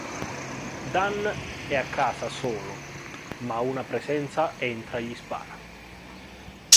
Dan è a casa solo, ma una presenza entra e gli spara.